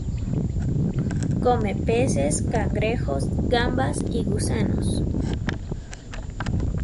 Come peces, cangrejos, gambas y gusanos.